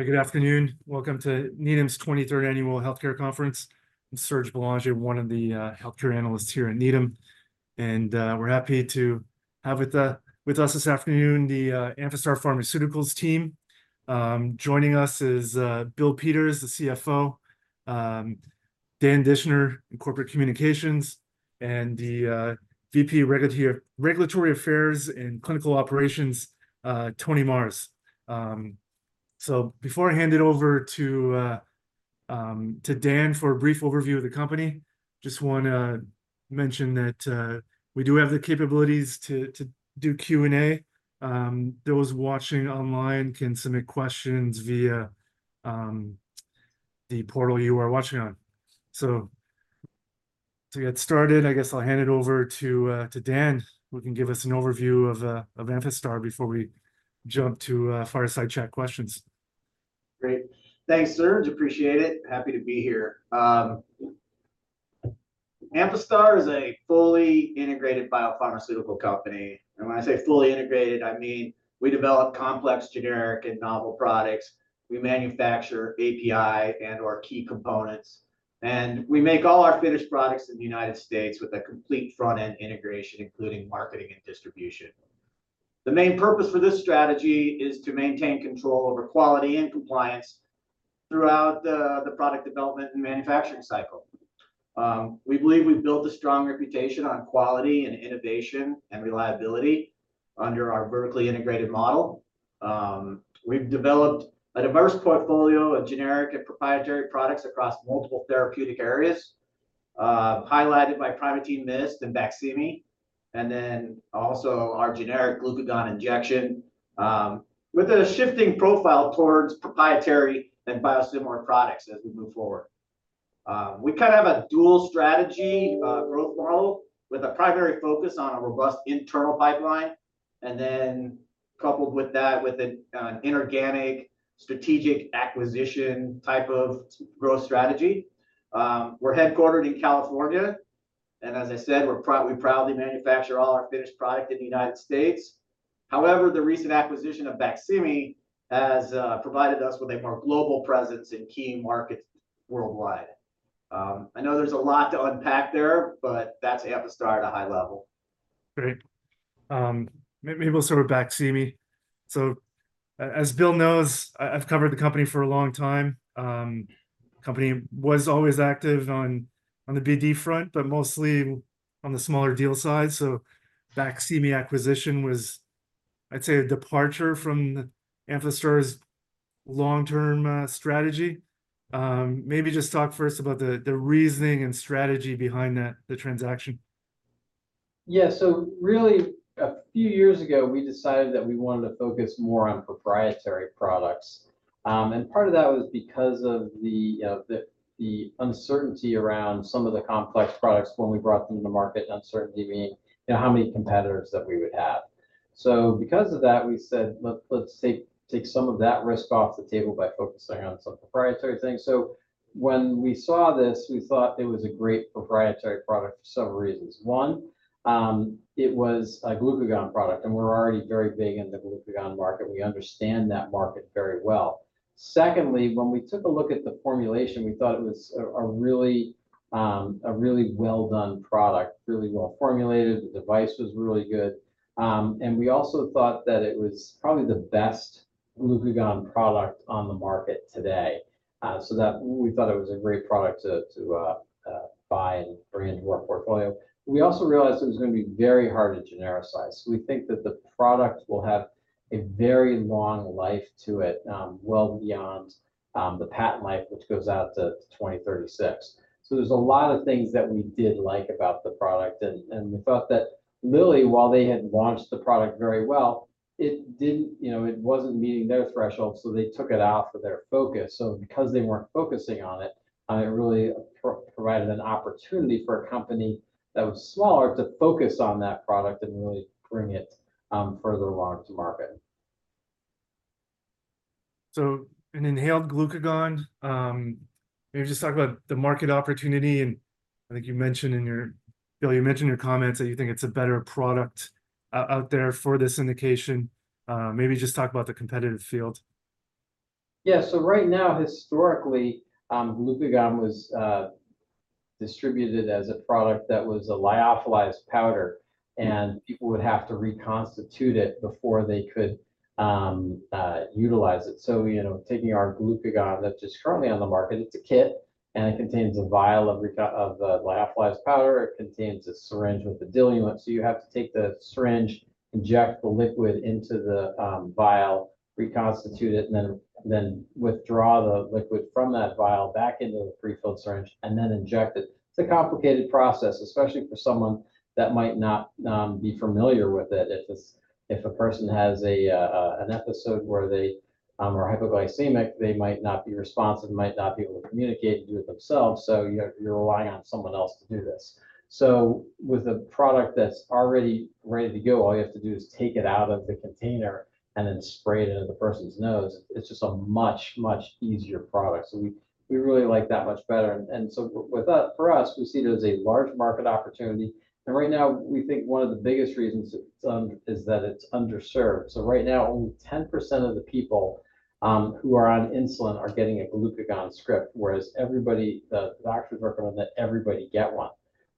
Good afternoon. Welcome to Needham's 23rd Annual Healthcare Conference. I'm Serge Belanger, one of the healthcare analysts here at Needham, and we're happy to have with us this afternoon the Amphastar Pharmaceuticals team. Joining us is Bill Peters, the CFO, Dan Dischner, Corporate Communications, and the VP Regulatory Affairs and Clinical Operations, Tony Marrs. So before I hand it over to Dan for a brief overview of the company, just want to mention that we do have the capabilities to do Q&A. Those watching online can submit questions via the portal you are watching on. So, to get started, I guess I'll hand it over to Dan, who can give us an overview of Amphastar before we jump to fireside chat questions. Great. Thanks, Serge. Appreciate it. Happy to be here. Amphastar is a fully integrated biopharmaceutical company, and when I say fully integrated, I mean we develop complex, generic, and novel products. We manufacture API and/or key components, and we make all our finished products in the United States with a complete front-end integration, including marketing and distribution. The main purpose for this strategy is to maintain control over quality and compliance throughout the product development and manufacturing cycle. We believe we've built a strong reputation on quality and innovation and reliability under our vertically integrated model. We've developed a diverse portfolio of generic and proprietary products across multiple therapeutic areas, highlighted by Primatene Mist and BAQSIMI, and then also our generic glucagon injection, with a shifting profile towards proprietary and biosimilar products as we move forward. We kind of have a dual strategy, growth model with a primary focus on a robust internal pipeline, and then coupled with that with an inorganic strategic acquisition type of growth strategy. We're headquartered in California, and as I said, we're proud we proudly manufacture all our finished product in the United States. However, the recent acquisition of BAQSIMI has provided us with a more global presence in key markets worldwide. I know there's a lot to unpack there, but that's Amphastar at a high level. Great. Maybe we'll start with BAQSIMI. So, as Bill knows, I've covered the company for a long time. The company was always active on the BD front, but mostly on the smaller deal side. So BAQSIMI acquisition was, I'd say, a departure from Amphastar's long-term strategy. Maybe just talk first about the reasoning and strategy behind that, the transaction. Yeah. So really, a few years ago, we decided that we wanted to focus more on proprietary products. And part of that was because of the, you know, the uncertainty around some of the complex products when we brought them to market, uncertainty being, you know, how many competitors that we would have. So because of that, we said, "Let's take some of that risk off the table by focusing on some proprietary things." So when we saw this, we thought it was a great proprietary product for several reasons. One, it was a glucagon product, and we're already very big in the glucagon market. We understand that market very well. Secondly, when we took a look at the formulation, we thought it was a really well-done product, really well-formulated. The device was really good. And we also thought that it was probably the best glucagon product on the market today, so that we thought it was a great product to buy and bring into our portfolio. We also realized it was going to be very hard to genericize. So we think that the product will have a very long life to it, well beyond the patent life, which goes out to 2036. So there's a lot of things that we did like about the product, and we thought that Lilly, while they had launched the product very well, it didn't you know, it wasn't meeting their threshold, so they took it out for their focus. So because they weren't focusing on it, it really provided an opportunity for a company that was smaller to focus on that product and really bring it further along to market. So, an inhaled glucagon. Maybe just talk about the market opportunity. I think you mentioned in your. Bill, you mentioned in your comments that you think it's a better product out there for this indication. Maybe just talk about the competitive field. Yeah. So right now, historically, glucagon was distributed as a product that was a lyophilized powder, and people would have to reconstitute it before they could utilize it. So, you know, taking our glucagon that's just currently on the market, it's a kit, and it contains a vial of lyophilized powder. It contains a syringe with a diluent. So you have to take the syringe, inject the liquid into the vial, reconstitute it, and then withdraw the liquid from that vial back into the prefilled syringe, and then inject it. It's a complicated process, especially for someone that might not be familiar with it. If a person has an episode where they are hypoglycemic, they might not be responsive, might not be able to communicate and do it themselves. So you're relying on someone else to do this. So with a product that's already ready to go, all you have to do is take it out of the container and then spray it into the person's nose. It's, it's just a much, much easier product. So we, we really like that much better. And, and so with us, for us, we see it as a large market opportunity. And right now, we think one of the biggest reasons it's underserved is that it's underserved. So right now, only 10% of the people who are on insulin are getting a glucagon script, whereas everybody, the doctors recommend that everybody get one.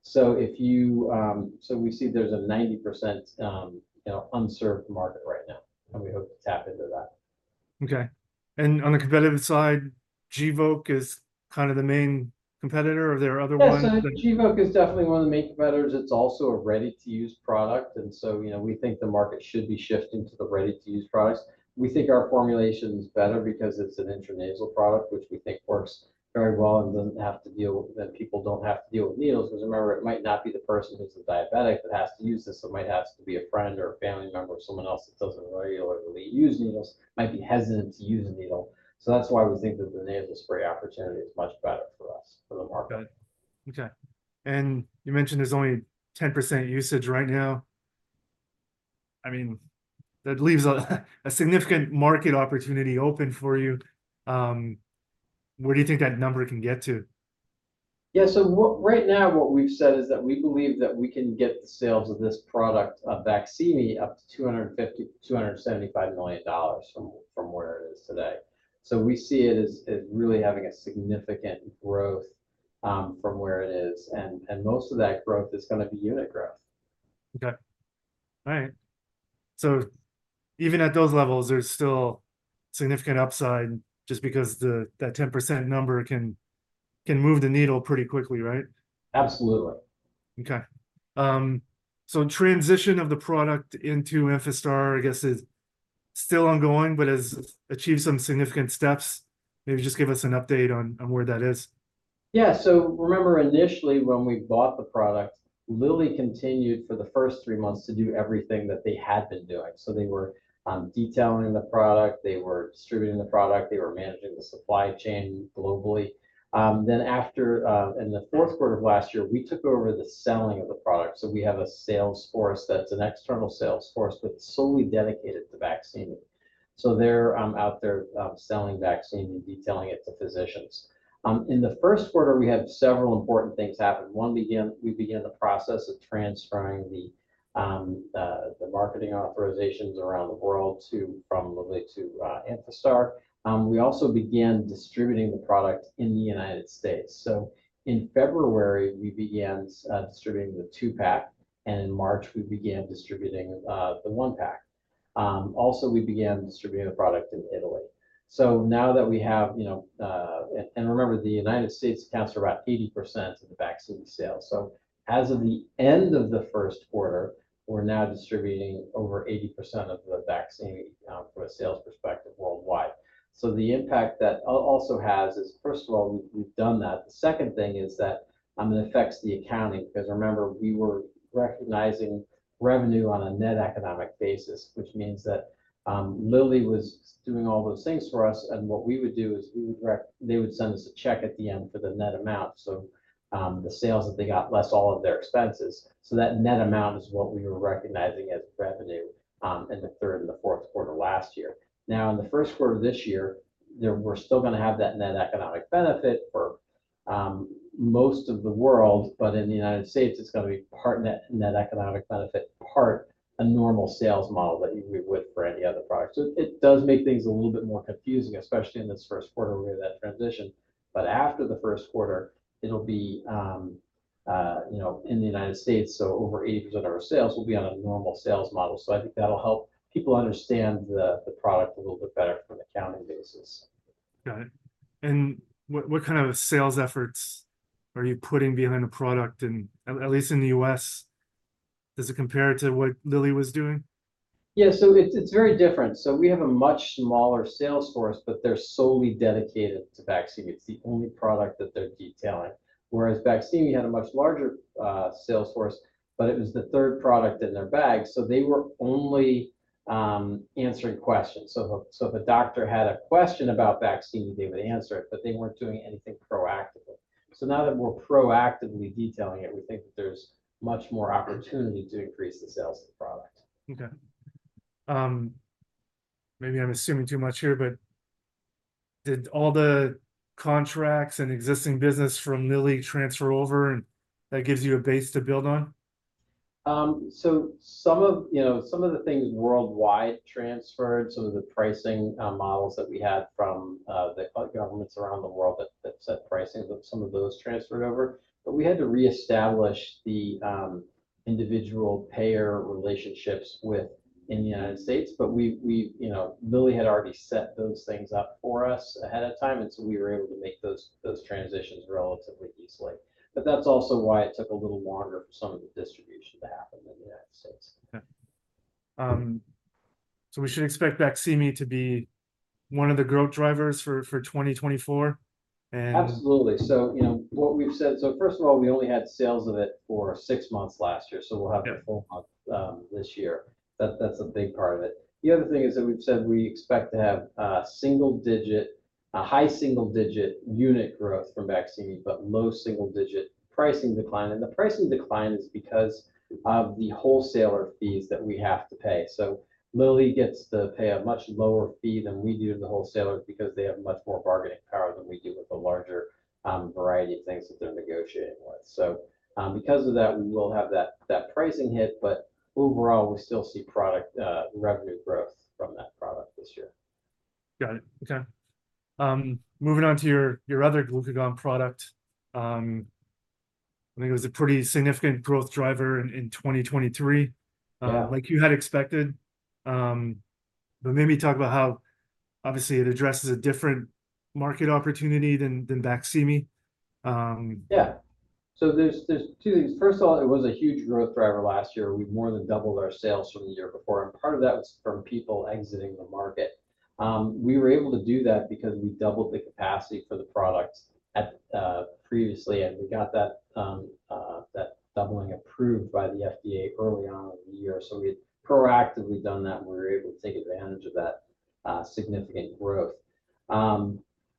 So, so we see there's a 90%, you know, unserved market right now, and we hope to tap into that. Okay. On the competitive side, Gvoke is kind of the main competitor, or are there other ones? Yeah. So Gvoke is definitely one of the main competitors. It's also a ready-to-use product, and so, you know, we think the market should be shifting to the ready-to-use products. We think our formulation's better because it's an intranasal product, which we think works very well and doesn't have to deal with, then people don't have to deal with needles. Because remember, it might not be the person who's a diabetic that has to use this. It might have to be a friend or a family member or someone else that doesn't regularly use needles, might be hesitant to use a needle. So that's why we think that the nasal spray opportunity is much better for us, for the market. Got it. Okay. And you mentioned there's only 10% usage right now. I mean, that leaves a significant market opportunity open for you. Where do you think that number can get to? Yeah. So what right now, what we've said is that we believe that we can get the sales of this product, BAQSIMI, up to $250 million-$275 million from where it is today. So we see it as really having a significant growth from where it is. And most of that growth is going to be unit growth. Okay. All right. So even at those levels, there's still significant upside just because that 10% number can move the needle pretty quickly, right? Absolutely. Okay, so transition of the product into Amphastar, I guess, is still ongoing, but has achieved some significant steps. Maybe just give us an update on where that is. Yeah. So remember, initially, when we bought the product, Lilly continued for the first three months to do everything that they had been doing. So they were detailing the product. They were distributing the product. They were managing the supply chain globally. Then after, in the fourth quarter of last year, we took over the selling of the product. So we have a sales force that's an external sales force, but solely dedicated to BAQSIMI. So they're out there, selling BAQSIMI and detailing it to physicians. In the first quarter, we had several important things happen. One, we began the process of transferring the marketing authorizations around the world from Lilly to Amphastar. We also began distributing the product in the United States. So in February, we began distributing the two-pack, and in March, we began distributing the one-pack. Also, we began distributing the product in Italy. So now that we have, you know, remember, the United States accounts for about 80% of the BAQSIMI sales. So as of the end of the first quarter, we're now distributing over 80% of the BAQSIMI, from a sales perspective worldwide. So the impact that also has is, first of all, we've done that. The second thing is that, it affects the accounting because remember, we were recognizing revenue on a net economic basis, which means that, Lilly was doing all those things for us, and what we would do is we would receive they would send us a check at the end for the net amount. So, the sales that they got less all of their expenses. So that net amount is what we were recognizing as revenue, in the third and the fourth quarter last year. Now, in the first quarter of this year, there, we're still going to have that net economic benefit for most of the world, but in the United States, it's going to be part net economic benefit, part a normal sales model that we would for any other product. So it does make things a little bit more confusing, especially in this first quarter where we have that transition. But after the first quarter, it'll be, you know, in the United States, so over 80% of our sales will be on a normal sales model. So I think that'll help people understand the product a little bit better from an accounting basis. Got it. And what kind of sales efforts are you putting behind the product in at least the U.S.? Does it compare to what Lilly was doing? Yeah. So it's very different. So we have a much smaller sales force, but they're solely dedicated to BAQSIMI. It's the only product that they're detailing. Whereas BAQSIMI had a much larger sales force, but it was the third product in their bag. So they were only answering questions. So if a doctor had a question about BAQSIMI, they would answer it, but they weren't doing anything proactively. So now that we're proactively detailing it, we think that there's much more opportunity to increase the sales of the product. Okay. Maybe I'm assuming too much here, but did all the contracts and existing business from Lilly transfer over, and that gives you a base to build on? So some of you know, some of the things worldwide transferred, some of the pricing models that we had from the governments around the world that set pricing, some of those transferred over. But we had to reestablish the individual payer relationships within the United States. But we, you know, Lilly had already set those things up for us ahead of time, and so we were able to make those transitions relatively easily. But that's also why it took a little longer for some of the distribution to happen in the United States. Okay, so we should expect BAQSIMI to be one of the growth drivers for 2024 and. Absolutely. So, you know, what we've said so first of all, we only had sales of it for six months last year, so we'll have the full month, this year. That, that's a big part of it. The other thing is that we've said we expect to have, single-digit high single-digit unit growth from BAQSIMI, but low single-digit pricing decline. And the pricing decline is because of the wholesaler fees that we have to pay. So Lilly gets to pay a much lower fee than we do to the wholesalers because they have much more bargaining power than we do with a larger, variety of things that they're negotiating with. So, because of that, we will have that, that pricing hit, but overall, we still see product, revenue growth from that product this year. Got it. Okay. Moving on to your, your other glucagon product, I think it was a pretty significant growth driver in, in 2023. Yeah. Like you had expected. But maybe talk about how, obviously, it addresses a different market opportunity than BAQSIMI. Yeah. So there's two things. First of all, it was a huge growth driver last year. We more than doubled our sales from the year before, and part of that was from people exiting the market. We were able to do that because we doubled the capacity for the product previously, and we got that doubling approved by the FDA early on in the year. So we had proactively done that, and we were able to take advantage of that significant growth.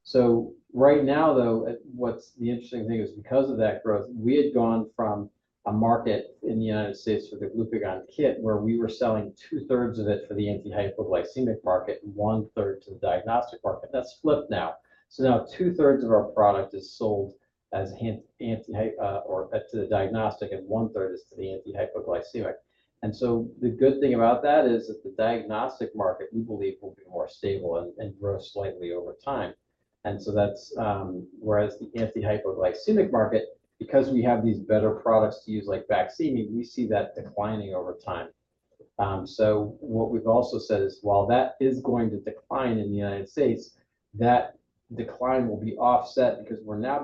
So right now, though, what's the interesting thing is because of that growth, we had gone from a market in the United States for the glucagon kit where we were selling 2/3 of it for the antihypoglycemic market and one-third to the diagnostic market. That's flipped now. So now 2/3 of our product is sold as antihypoglycemic or to the diagnostic, and one-third is to the antihypoglycemic. And so the good thing about that is that the diagnostic market, we believe, will be more stable and, and grow slightly over time. And so that's, whereas the antihypoglycemic market, because we have these better products to use, like BAQSIMI, we see that declining over time. So what we've also said is, while that is going to decline in the United States, that decline will be offset because we're now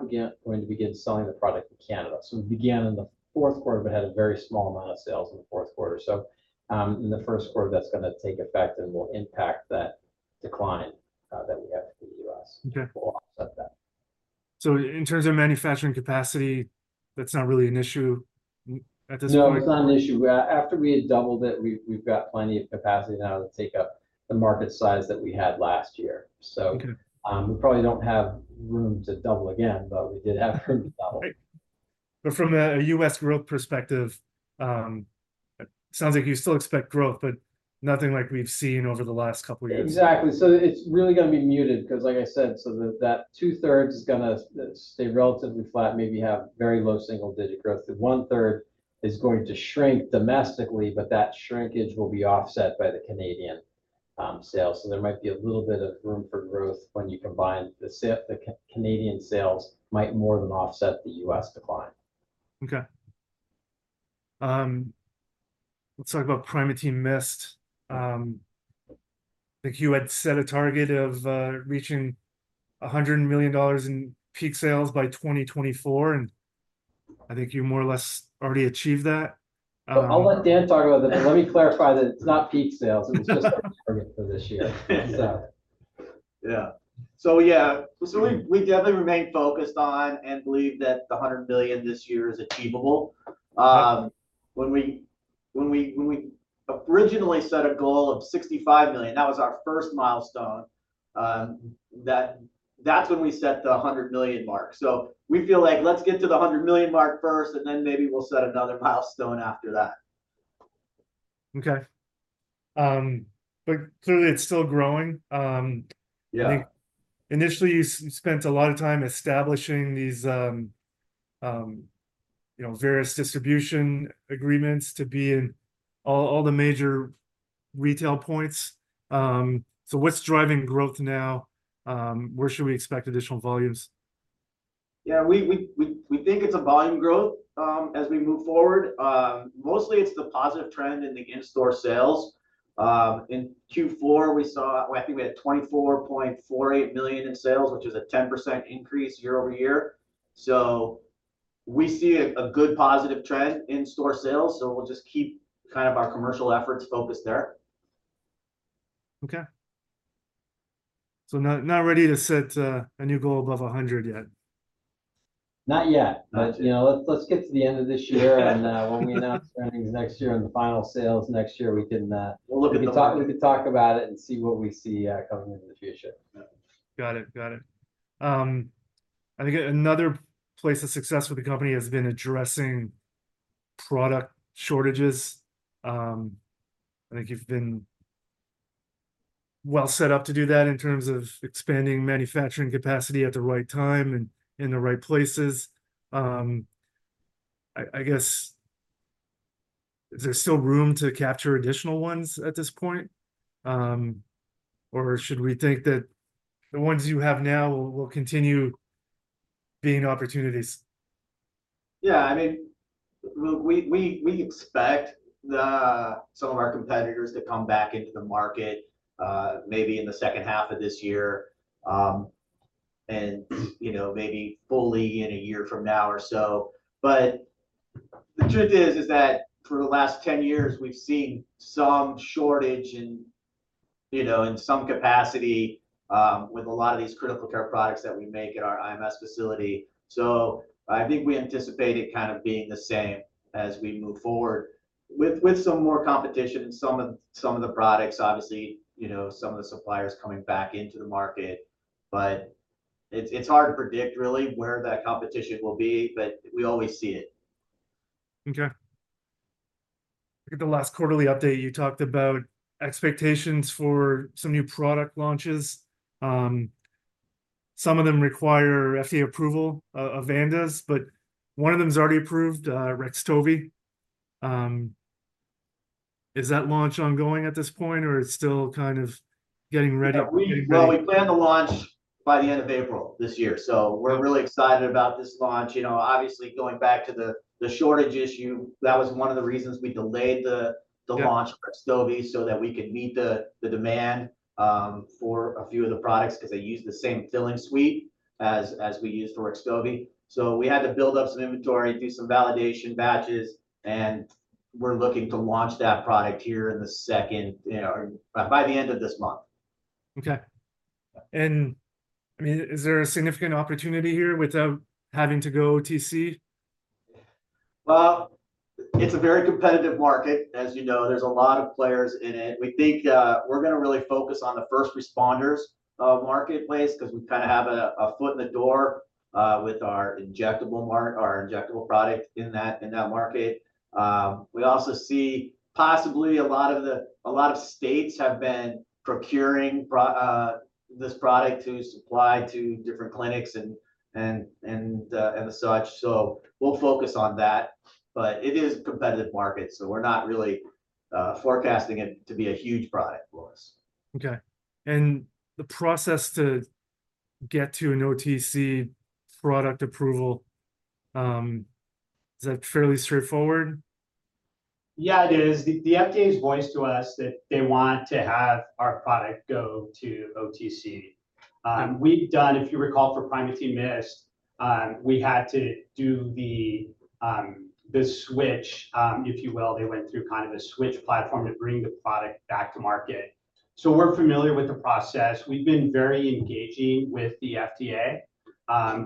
going to begin selling the product in Canada. So we began in the fourth quarter, but had a very small amount of sales in the fourth quarter. So, in the first quarter, that's going to take effect and will impact that decline, that we have in the U.S. Okay. Will offset that. In terms of manufacturing capacity, that's not really an issue at this point? No, it's not an issue. After we had doubled it, we've got plenty of capacity now to take up the market size that we had last year. So. Okay. We probably don't have room to double again, but we did have room to double. Right. But from the U.S. growth perspective, it sounds like you still expect growth, but nothing like we've seen over the last couple of years. Exactly. So it's really going to be muted because, like I said, that 2/3 is going to stay relatively flat, maybe have very low single-digit growth. The one-third is going to shrink domestically, but that shrinkage will be offset by the Canadian sales. So there might be a little bit of room for growth when you combine the Canadian sales might more than offset the U.S. decline. Okay. Let's talk about Primatene Mist. I think you had set a target of reaching $100 million in peak sales by 2024, and I think you more or less already achieved that. Well, I'll let Dan talk about that, but let me clarify that it's not peak sales. It was just a target for this year, so. Yeah. So we definitely remain focused on and believe that the $100 million this year is achievable. Okay. When we originally set a goal of $65 million, that was our first milestone. That, that's when we set the $100 million mark. So we feel like, "Let's get to the $100 million mark first, and then maybe we'll set another milestone after that. Okay. But clearly, it's still growing. Yeah. I think initially, you spent a lot of time establishing these, you know, various distribution agreements to be in all, all the major retail points. So what's driving growth now? Where should we expect additional volumes? Yeah. We think it's a volume growth, as we move forward. Mostly, it's the positive trend in the in-store sales. In Q4, we saw well, I think we had $24.48 million in sales, which is a 10% increase year-over-year. So we see a good positive trend in-store sales, so we'll just keep kind of our commercial efforts focused there. Okay. So not ready to set a new goal above 100 yet? Not yet. But, you know, let's get to the end of this year, and, when we announce earnings next year and the final sales next year, we can, We'll look at the. We can talk, we can talk about it and see what we see, coming into the future. Got it. Got it. I think another place of success with the company has been addressing product shortages. I think you've been well set up to do that in terms of expanding manufacturing capacity at the right time and in the right places. I guess, is there still room to capture additional ones at this point? Or should we think that the ones you have now will continue being opportunities? Yeah. I mean, we expect some of our competitors to come back into the market, maybe in the second half of this year, and, you know, maybe fully in a year from now or so. But the truth is that for the last 10 years, we've seen some shortage in, you know, in some capacity, with a lot of these critical care products that we make at our IMS facility. So I think we anticipate it kind of being the same as we move forward with some more competition in some of the products, obviously, you know, some of the suppliers coming back into the market. But it's hard to predict, really, where that competition will be, but we always see it. Okay. I think the last quarterly update, you talked about expectations for some new product launches. Some of them require FDA approval of ANDAs, but one of them's already approved, REXTOVY. Is that launch ongoing at this point, or it's still kind of getting ready? Yeah. Well, we planned the launch by the end of April this year, so we're really excited about this launch. You know, obviously, going back to the shortage issue, that was one of the reasons we delayed the launch of REXTOVY so that we could meet the demand for a few of the products because they use the same filling suite as we use for REXTOVY. So we had to build up some inventory, do some validation batches, and we're looking to launch that product here in the second, you know, by the end of this month. Okay. And, I mean, is there a significant opportunity here without having to go OTC? Well, it's a very competitive market, as you know. There's a lot of players in it. We think, we're going to really focus on the first responders marketplace because we kind of have a foot in the door with our injectable product in that market. We also see possibly a lot of states have been procuring this product to supply to different clinics and such. So we'll focus on that. But it is a competitive market, so we're not really forecasting it to be a huge product for us. Okay. The process to get to an OTC product approval, is that fairly straightforward? Yeah, it is. The FDA's voiced to us that they want to have our product go to OTC. We've done, if you recall, for Primatene Mist, we had to do the switch, if you will. They went through kind of a switch platform to bring the product back to market. So we're familiar with the process. We've been very engaging with the FDA.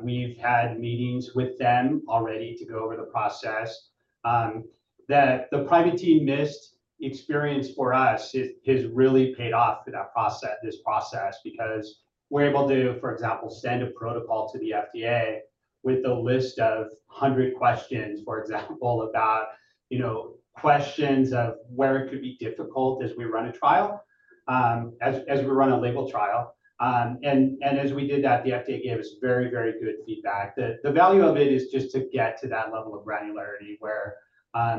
We've had meetings with them already to go over the process. The Primatene Mist experience for us has really paid off for that process, this process because we're able to, for example, send a protocol to the FDA with a list of 100 questions, for example, about, you know, questions of where it could be difficult as we run a trial, as we run a label trial. And as we did that, the FDA gave us very, very good feedback. The value of it is just to get to that level of granularity where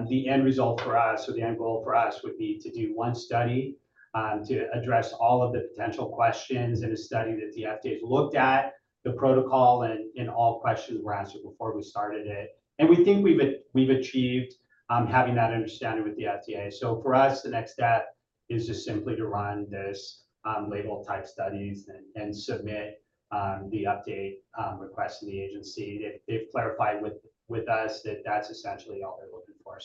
the end result for us or the end goal for us would be to do one study to address all of the potential questions in a study that the FDA's looked at the protocol and all questions were answered before we started it. And we think we've achieved having that understanding with the FDA. So for us, the next step is just simply to run these label-type studies and submit the update request to the agency. They've clarified with us that that's essentially all they're looking for.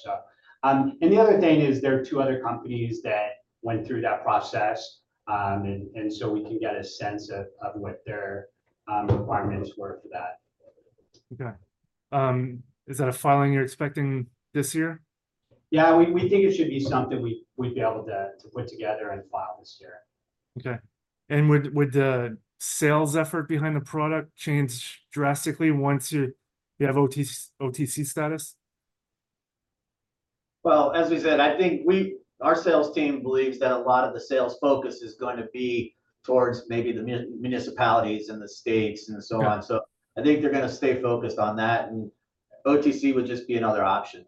And the other thing is there are two other companies that went through that process and so we can get a sense of what their requirements were for that. Okay. Is that a filing you're expecting this year? Yeah. We think it should be something we'd be able to put together and file this year. Okay. And would the sales effort behind the product change drastically once you have OTC status? Well, as we said, I think our sales team believes that a lot of the sales focus is going to be towards maybe the municipalities and the states and so on. So I think they're going to stay focused on that, and OTC would just be another option.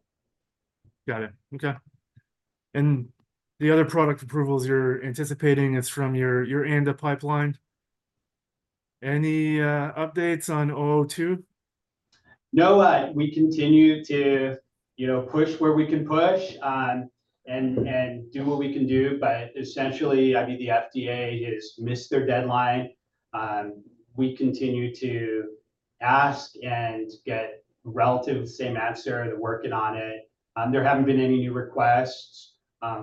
Got it. Okay. And the other product approvals you're anticipating, it's from your ANDA pipeline. Any updates on AMP-002? No, we continue to, you know, push where we can push, and do what we can do. But essentially, I mean, the FDA has missed their deadline. We continue to ask and get relative same answer. They're working on it. There haven't been any new requests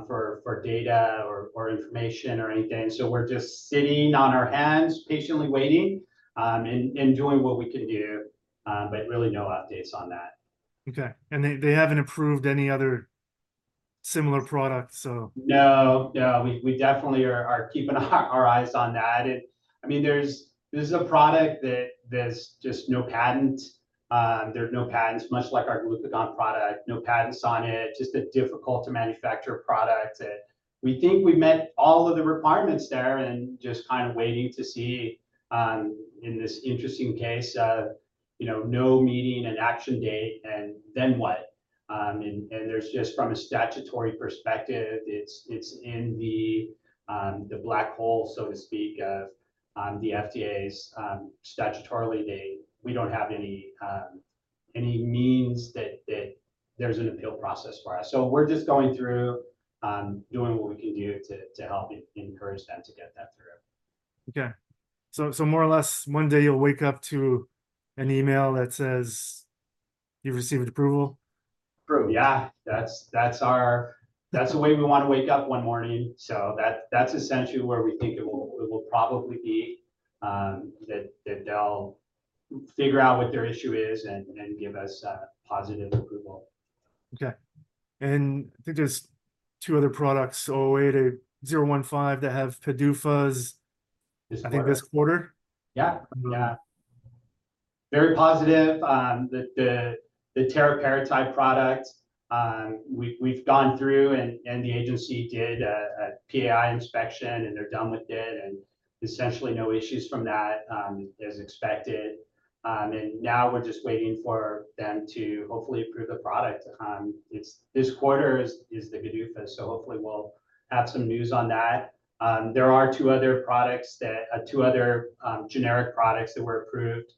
for data or information or anything. So we're just sitting on our hands, patiently waiting, and doing what we can do, but really no updates on that. Okay. They haven't approved any other similar product, so? No, no. We definitely are keeping our eyes on that. And, I mean, this is a product that there's just no patent. There are no patents, much like our glucagon product, no patents on it, just a difficult-to-manufacture product. We think we met all of the requirements there and just kind of waiting to see, in this interesting case, you know, no meeting and action date, and then what? And there's just from a statutory perspective, it's in the black hole, so to speak, of the FDA's, statutorily, they we don't have any means that there's an appeal process for us. So we're just going through, doing what we can do to help encourage them to get that through. Okay. So, more or less, one day, you'll wake up to an email that says you've received approval? Approved. Yeah. That's the way we want to wake up one morning. So that's essentially where we think it will probably be, that they'll figure out what their issue is and give us positive approval. Okay. I think there's two other products, AMP-008 and AMP-015, that have PDUFAs, I think, this quarter. This quarter? Yeah. Yeah. Very positive. The teriparatide product, we've gone through, and the agency did a PAI inspection, and they're done with it, and essentially, no issues from that, as expected. Now we're just waiting for them to hopefully approve the product. It's this quarter is the PDUFA, so hopefully, we'll have some news on that. There are two other generic products that were approved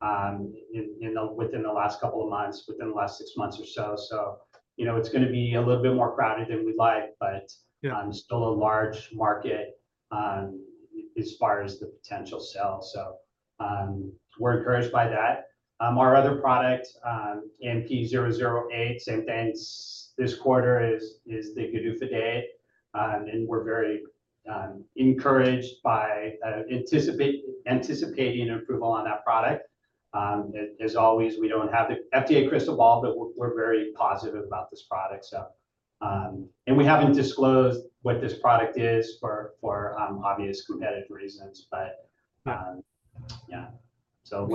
within the last couple of months, within the last six months or so. So, you know, it's going to be a little bit more crowded than we'd like, but. Yeah. still a large market, as far as the potential sale, so we're encouraged by that. Our other product, AMP-008, same thing this quarter is the PDUFA date. And we're very encouraged by anticipating approval on that product. As always, we don't have the FDA crystal ball, but we're very positive about this product, so. And we haven't disclosed what this product is for, for obvious competitive reasons, but. Okay. Yeah. So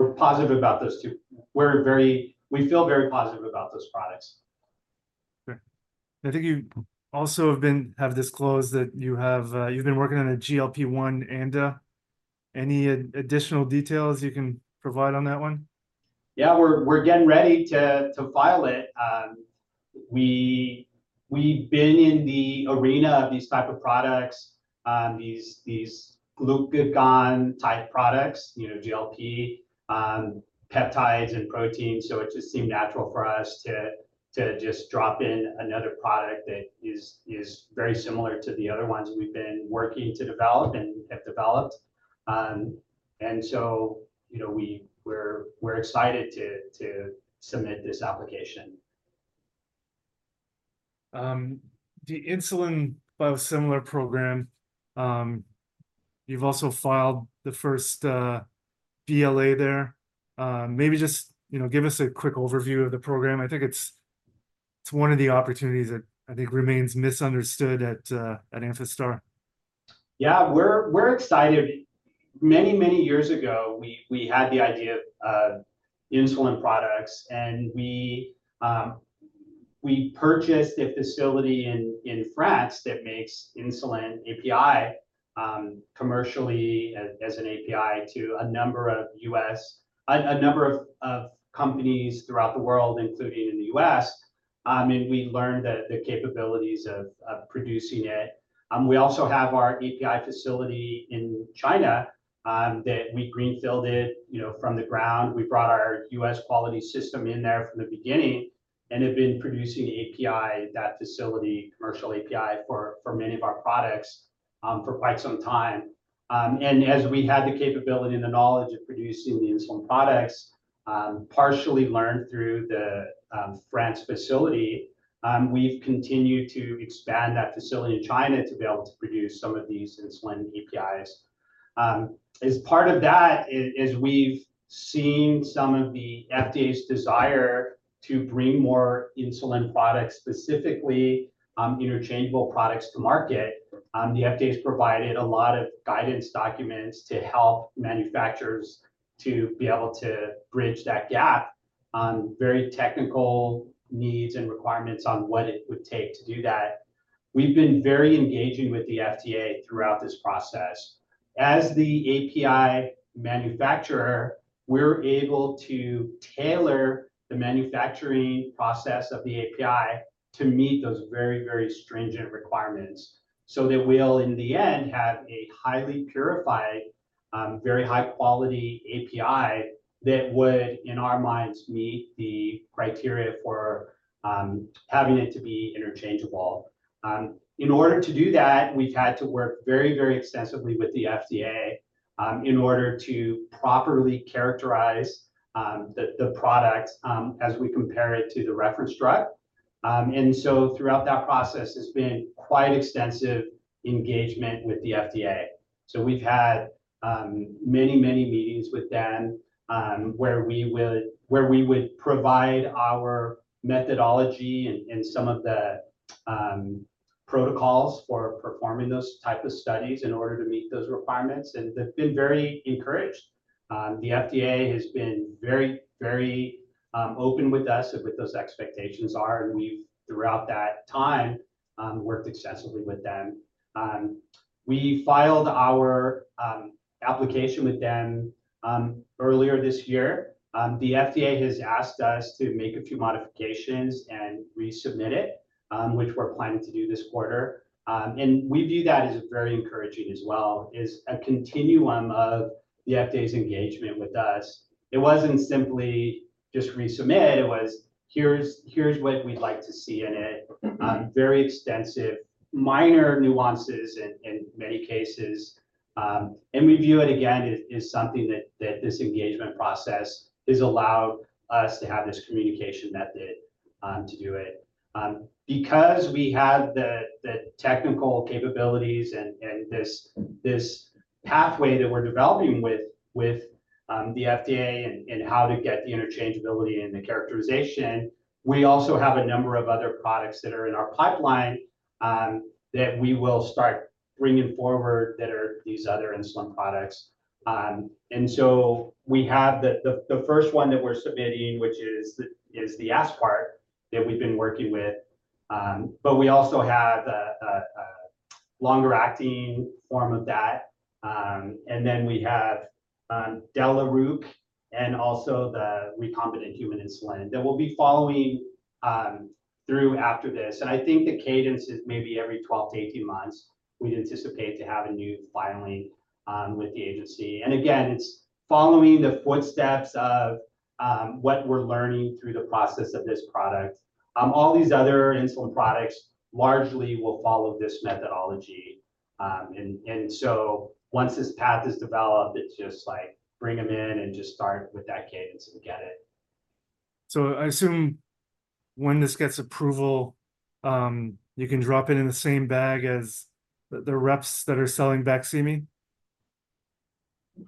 we're positive about those two. We're very, we feel very positive about those products. Okay. And I think you also have disclosed that you have, you've been working on a GLP-1 ANDA. Any additional details you can provide on that one? Yeah. We're getting ready to file it. We've been in the arena of these type of products, these glucagon-type products, you know, GLP, peptides and proteins, so it just seemed natural for us to just drop in another product that is very similar to the other ones we've been working to develop and have developed. And so, you know, we're excited to submit this application. The insulin biosimilar program, you've also filed the first BLA there. Maybe just, you know, give us a quick overview of the program. I think it's, it's one of the opportunities that, I think, remains misunderstood at, at Amphastar. Yeah. We're, we're excited. Many, many years ago, we, we had the idea of, of insulin products, and we, we purchased a facility in, in France that makes insulin API, commercially as, as an API to a number of U.S. a, a number of, of companies throughout the world, including in the U.S. And we learned the, the capabilities of, of producing it. We also have our API facility in China, that we greenfielded, you know, from the ground. We brought our U.S. quality system in there from the beginning and have been producing API, that facility, commercial API, for, for many of our products, for quite some time. And as we had the capability and the knowledge of producing the insulin products, partially learned through the, France facility, we've continued to expand that facility in China to be able to produce some of these insulin APIs. As part of that, as we've seen some of the FDA's desire to bring more insulin products, specifically, interchangeable products to market, the FDA's provided a lot of guidance documents to help manufacturers to be able to bridge that gap, very technical needs and requirements on what it would take to do that. We've been very engaging with the FDA throughout this process. As the API manufacturer, we're able to tailor the manufacturing process of the API to meet those very, very stringent requirements so that we'll, in the end, have a highly purified, very high-quality API that would, in our minds, meet the criteria for, having it to be interchangeable. In order to do that, we've had to work very, very extensively with the FDA, in order to properly characterize the product, as we compare it to the reference drug. So throughout that process, it's been quite extensive engagement with the FDA. We've had many, many meetings with them, where we would provide our methodology and some of the protocols for performing those type of studies in order to meet those requirements. And they've been very encouraged. The FDA has been very, very open with us of what those expectations are, and we've throughout that time worked extensively with them. We filed our application with them earlier this year. The FDA has asked us to make a few modifications and resubmit it, which we're planning to do this quarter. And we view that as very encouraging as well, as a continuum of the FDA's engagement with us. It wasn't simply just resubmit. It was, "Here's what we'd like to see in it," very extensive, minor nuances in many cases. And we view it, again, as something that this engagement process has allowed us to have this communication method to do it, because we have the technical capabilities and this pathway that we're developing with the FDA and how to get the interchangeability and the characterization. We also have a number of other products that are in our pipeline that we will start bringing forward that are these other insulin products. And so we have the first one that we're submitting, which is the aspart that we've been working with, but we also have a longer-acting form of that. And then we have degludec and also the recombinant human insulin that we'll be following through after this. And I think the cadence is maybe every 12-18 months. We'd anticipate to have a new filing with the agency. And again, it's following the footsteps of what we're learning through the process of this product. All these other insulin products largely will follow this methodology. And, and so once this path is developed, it's just, like, bring them in and just start with that cadence and get it. I assume when this gets approval, you can drop it in the same bag as the reps that are selling BAQSIMI?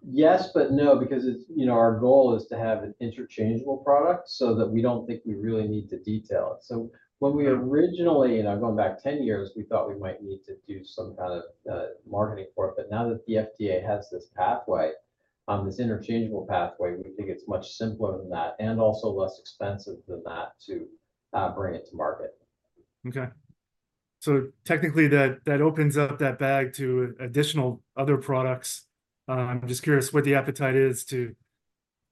Yes, but no, because it's, you know, our goal is to have an interchangeable product so that we don't think we really need to detail it. So when we originally, you know, going back 10 years, we thought we might need to do some kind of marketing for it. But now that the FDA has this pathway, this interchangeable pathway, we think it's much simpler than that and also less expensive than that to bring it to market. Okay. So technically, that opens up that bag to additional other products. I'm just curious what the appetite is to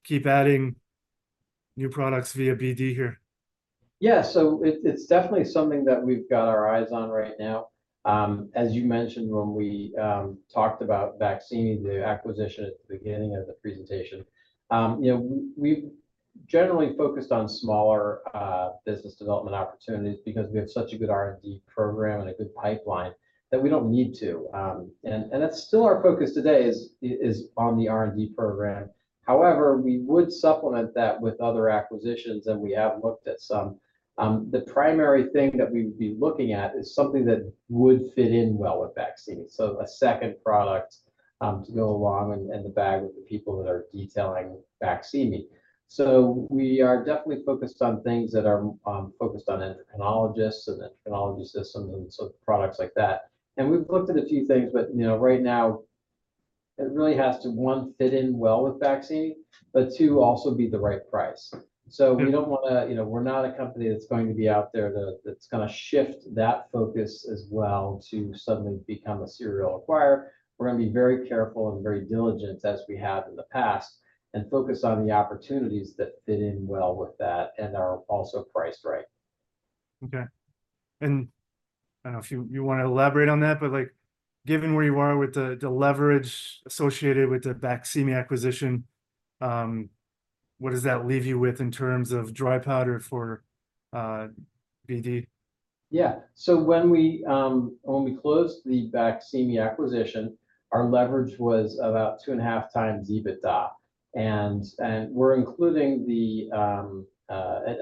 keep adding new products via BD here. Yeah. So it, it's definitely something that we've got our eyes on right now. As you mentioned when we talked about BAQSIMI, the acquisition at the beginning of the presentation, you know, we've generally focused on smaller business development opportunities because we have such a good R&D program and a good pipeline that we don't need to. And that's still our focus today is on the R&D program. However, we would supplement that with other acquisitions, and we have looked at some. The primary thing that we would be looking at is something that would fit in well with BAQSIMI, so a second product to go along and in the bag with the people that are detailing BAQSIMI. So we are definitely focused on things that are focused on endocrinologists and endocrinology systems and so products like that. And we've looked at a few things, but, you know, right now, it really has to, one, fit in well with BAQSIMI, but, two, also be the right price. So we don't want to you know, we're not a company that's going to be out there that, that's going to shift that focus as well to suddenly become a serial acquirer. We're going to be very careful and very diligent as we have in the past and focus on the opportunities that fit in well with that and are also priced right. Okay. I don't know if you, you want to elaborate on that, but, like, given where you are with the, the leverage associated with the BAQSIMI acquisition, what does that leave you with in terms of dry powder for, BD? Yeah. So when we closed the BAQSIMI acquisition, our leverage was about 2.5x EBITDA. And we're including the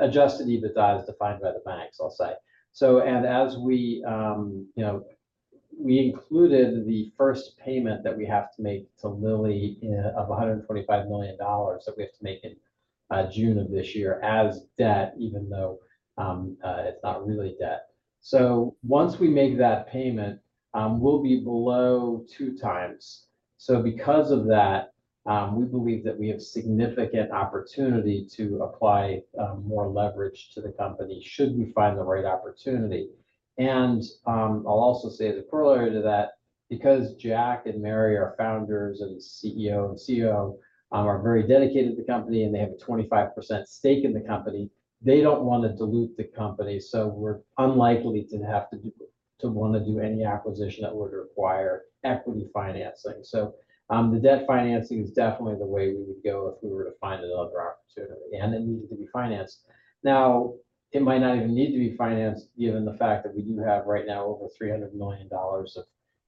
adjusted EBITDA as defined by the banks, I'll say. So as we, you know, we included the first payment that we have to make to Lilly of $125 million that we have to make in June of this year as debt, even though it's not really debt. So once we make that payment, we'll be below 2x. So because of that, we believe that we have significant opportunity to apply more leverage to the company should we find the right opportunity. And I'll also say as a corollary to that, because Jack and Mary are founders and CEO and COO, are very dedicated to the company, and they have a 25% stake in the company, they don't want to dilute the company. So we're unlikely to have to or want to do any acquisition that would require equity financing. So, the debt financing is definitely the way we would go if we were to find another opportunity and it needed to be financed. Now, it might not even need to be financed given the fact that we do have right now over $300 million of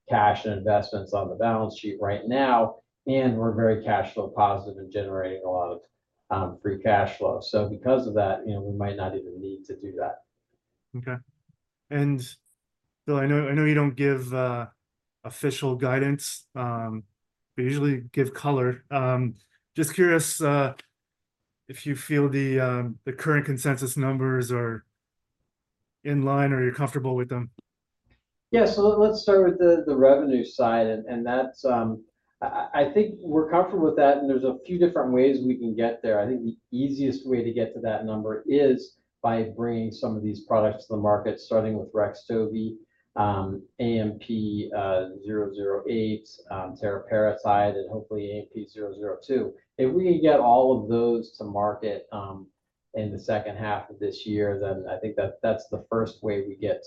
cash and investments on the balance sheet right now, and we're very cash flow positive and generating a lot of free cash flow. So because of that, you know, we might not even need to do that. Okay. And Bill, I know I know you don't give official guidance, but usually give color. Just curious, if you feel the current consensus numbers are in line or you're comfortable with them? Yeah. So let's start with the revenue side. And that's, I think we're comfortable with that, and there's a few different ways we can get there. I think the easiest way to get to that number is by bringing some of these products to the market, starting with REXTOVY, AMP-008, teriparatide, and hopefully AMP-002. If we can get all of those to market, in the second half of this year, then I think that that's the first way we get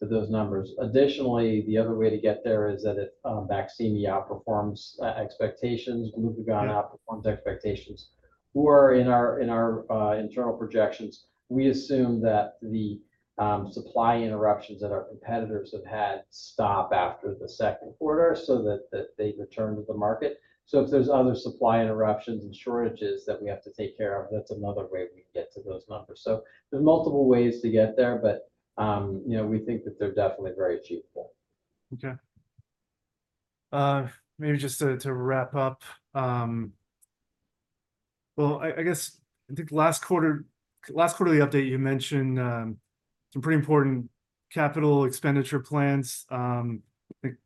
to those numbers. Additionally, the other way to get there is that if BAQSIMI outperforms expectations, glucagon outperforms expectations, who are in our internal projections, we assume that the supply interruptions that our competitors have had stop after the second quarter so that they return to the market. If there's other supply interruptions and shortages that we have to take care of, that's another way we can get to those numbers. There's multiple ways to get there, but, you know, we think that they're definitely very achievable. Okay. Maybe just to wrap up, well, I guess I think last quarter last quarterly update, you mentioned some pretty important capital expenditure plans. I think.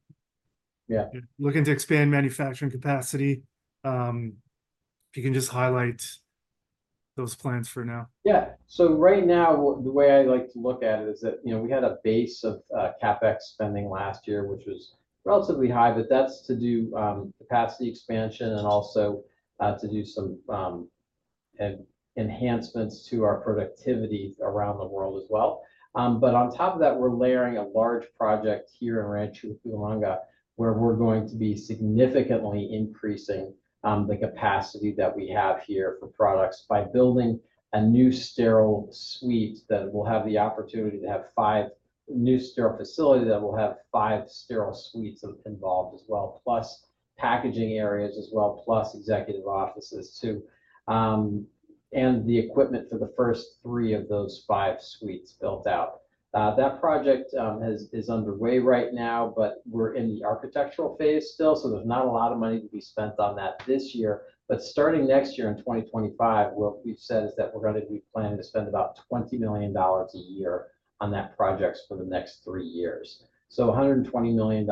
Yeah. Looking to expand manufacturing capacity. If you can just highlight those plans for now. Yeah. So right now, the way I like to look at it is that, you know, we had a base of CapEx spending last year, which was relatively high, but that's to do capacity expansion and also to do some enhancements to our productivity around the world as well. But on top of that, we're layering a large project here in Rancho Cucamonga, where we're going to be significantly increasing the capacity that we have here for products by building a new sterile suite that will have the opportunity to have five new sterile facility that will have five sterile suites involved as well, plus packaging areas as well, plus executive offices too, and the equipment for the first three of those five suites built out. That project is underway right now, but we're in the architectural phase still, so there's not a lot of money to be spent on that this year. But starting next year in 2025, what we've said is that we're going to be planning to spend about $20 million a year on that project for the next three years. So $120 million in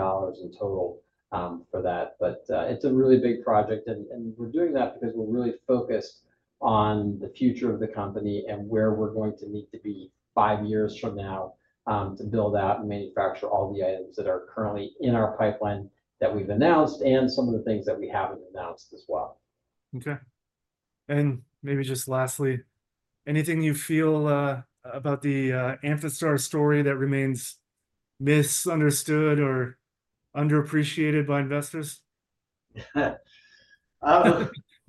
total for that. But it's a really big project. And we're doing that because we're really focused on the future of the company and where we're going to need to be five years from now, to build out and manufacture all the items that are currently in our pipeline that we've announced and some of the things that we haven't announced as well. Okay. Maybe just lastly, anything you feel about the Amphastar story that remains misunderstood or underappreciated by investors? We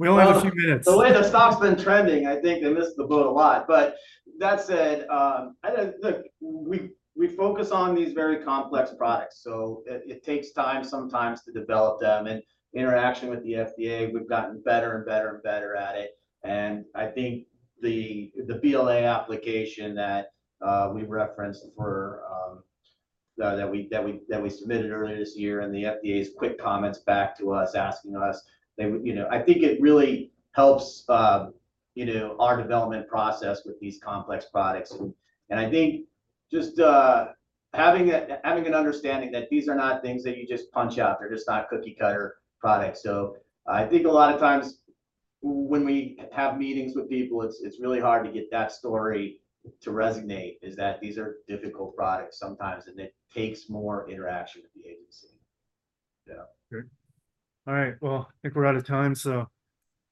only have a few minutes. The way the stock's been trending, I think they missed the boat a lot. But that said, I think look, we focus on these very complex products. So it takes time sometimes to develop them. And interaction with the FDA, we've gotten better and better and better at it. And I think the BLA application that we referenced for that we submitted earlier this year and the FDA's quick comments back to us asking us, they you know, I think it really helps, you know, our development process with these complex products. And I think just having an understanding that these are not things that you just punch out. They're just not cookie-cutter products. So I think a lot of times when we have meetings with people, it's really hard to get that story to resonate, is that these are difficult products sometimes, and it takes more interaction with the agency. Yeah. Okay. All right. Well, I think we're out of time, so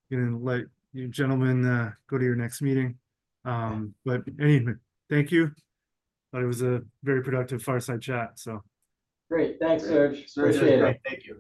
I'm going to let you gentlemen go to your next meeting. But anyway, thank you. I thought it was a very productive fireside chat, so. Great. Thanks, Serge. Appreciate it. thank you.